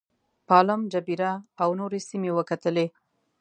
پالم جبیره او نورې سیمې وکتلې.